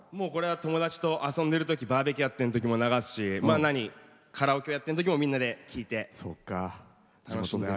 友達と遊んでるときバーベキューやってるときも流すしカラオケやってるときもみんなで聴いて。